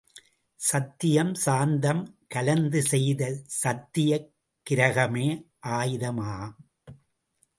சத்தியம், சாந்தம் கலந்துசெய்த சத்தியாக் கிரகமே ஆயுதமாம்.